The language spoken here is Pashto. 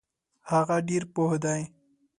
هغه ډیر پوه دی.